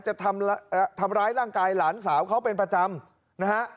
จะทำร้ายร่างกายหลานสาวเขาเป็นประจำนะฮะ